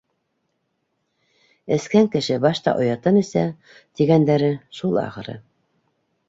Эскән кеше башта оятын эсә, тигәндәре шул, ахыры.